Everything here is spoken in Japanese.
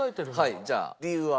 はいじゃあ理由は。